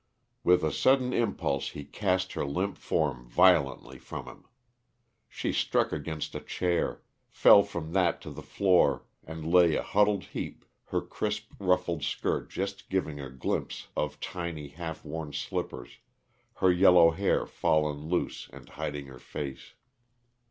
With a sudden impulse he cast her limp form violently from him. She struck against a chair, fell from that to the floor, and lay a huddled heap, her crisp, ruffled skirt just giving a glimpse of tiny, half worn slippers, her yellow hair fallen loose and hiding her face.